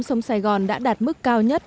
sông sài gòn đã đạt mức cao nhất